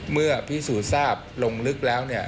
เมื่อพิษหูทราบลงลึกแล้ว